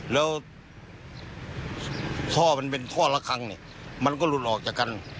แล้วท่อมันเป็นท่อละครั้งเนี่ยมันก็หลุดออกจากกัน